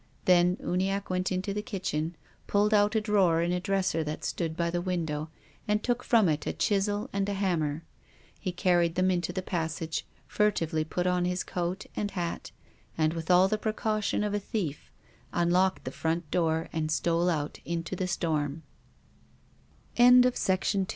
Then Uniacke went into the kitchen, pulled out a drawer in a dresser that stood by the window, and took from it a chisel and a hammer. He carried them into the passage, fur tively put on his coat and hat, and, with all the precaution of a thief, unlocked the front door